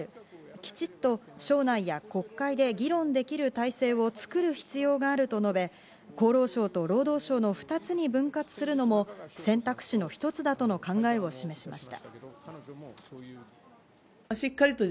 きちっと省内や国会で議論できる体制を作る必要があると述べ、厚生省と労働省の２つに分割するのも選択肢の一つだとの考えを示しました。